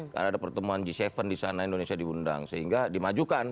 karena ada pertemuan g tujuh di sana indonesia diundang sehingga dimajukan